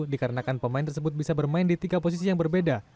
dikarenakan pemain tersebut bisa bermain di tiga posisi yang berbeda